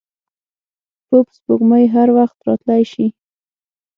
پوپ سپوږمۍ هر وخت راتلای شي.